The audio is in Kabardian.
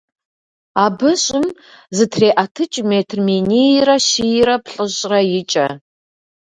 Абы щӀым зытреӀэтыкӀ метр минийрэ щийрэ плӀыщӀрэ икӀэ.